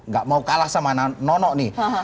gak mau kalah sama nono nih